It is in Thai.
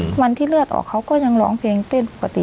วันที่เลือดออกเขาก็ยังร้องเพลงเต้นปกติ